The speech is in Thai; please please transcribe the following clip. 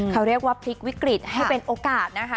เขาเรียกว่าพลิกวิกฤตให้เป็นโอกาสนะคะ